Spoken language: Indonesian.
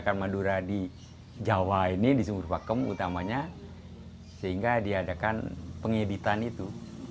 ikan madura di jawa ini di sumber pakem utamanya sehingga diadakan pengebitan itu